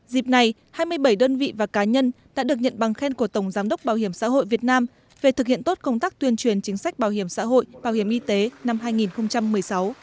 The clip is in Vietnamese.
dịp này hai mươi bảy đơn vị và cá nhân đã được nhận bằng khen của tổng giám đốc bảo hiểm xã hội việt nam về thực hiện tốt công tác tuyên truyền chính sách bảo hiểm xã hội bảo hiểm y tế năm hai nghìn một mươi sáu